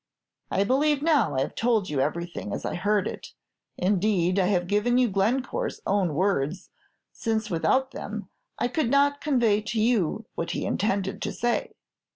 "I believe now I have told you everything as I heard it; indeed, I have given you Glencore's own words, since, without them, I could not convey to you what he intended to say.